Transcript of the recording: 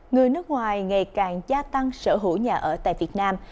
người nước ngoài ngày càng gia tăng sở hữu nhà ở tại việt nam